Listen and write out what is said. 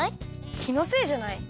きのせいじゃない？